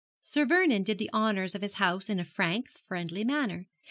Sir Vernon did the honours of his house in a frank, friendly manner.